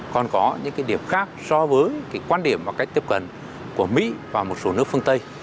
còn có những cái điểm khác so với quan điểm và cách tiếp cận của mỹ và một số nước phương tây